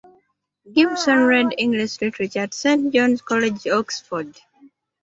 Gibson read English Literature at Saint John's College, Oxford.